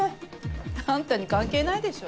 あんたに関係ないでしょ。